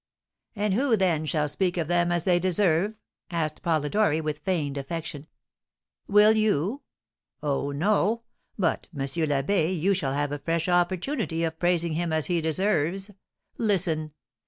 "And who, then, shall speak of them as they deserve?" asked Polidori, with feigned affection. "Will you? Oh, no! But, M. l'Abbé, you shall have a fresh opportunity of praising him as he deserves. Listen!